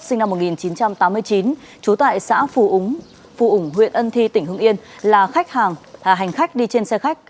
sinh năm một nghìn chín trăm tám mươi chín trú tại xã phù ứng huyện ân thi tỉnh hương yên là khách hàng hành khách đi trên xe khách